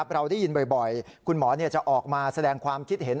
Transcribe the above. เราได้ยินบ่อยคุณหมอจะออกมาแสดงความคิดเห็น